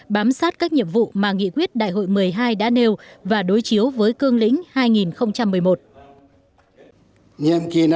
bám sát các nhiệm vụ mà nghị quyết đại hội một mươi hai đã nêu và đối chiếu với cương lĩnh hai nghìn một mươi một